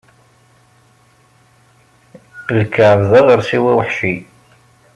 Ikɛeb d aɣersiw aweḥci.